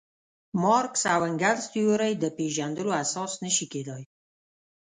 مارکس او انګلز تیورۍ د پېژندلو اساس نه شي کېدای.